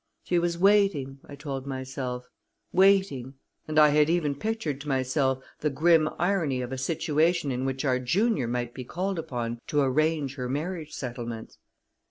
She was waiting, I told myself, waiting; and I had even pictured to myself the grim irony of a situation in which our junior might be called upon to arrange her marriage settlements.